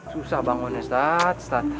susah bangunnya setat setat